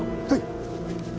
はい。